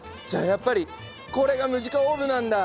やっぱりこれがムジカオーブなんだ！